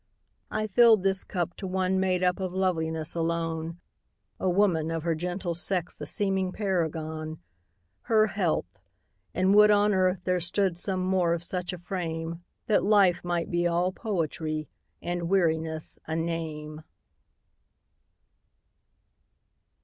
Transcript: I fill'd this cup to one made up Of loveliness alone, A woman, of her gentle sex The seeming paragon Her health! and would on earth there stood, Some more of such a frame, That life might be all poetry, And weariness a name.